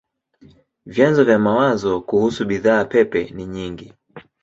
Vyanzo vya mawazo kuhusu bidhaa pepe ni nyingi.